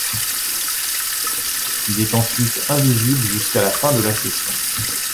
Il est ensuite invisible jusqu'à la fin de la session.